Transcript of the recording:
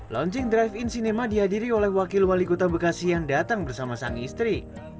launching drive in cinema dihadiri oleh wakil wali kota bekasi yang datang bersama sang istri